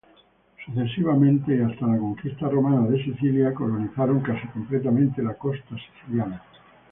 Sucesivamente, y hasta la conquista romana de Sicilia, colonizaron casi completamente la costa siciliana.